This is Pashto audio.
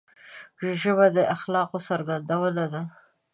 ژبه د اخلاقو څرګندونه ده